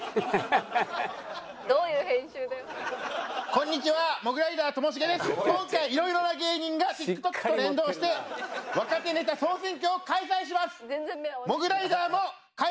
今回いろいろな芸人がＴｉｋＴｏｋと連動して「若手ネタ総選挙」を開催します！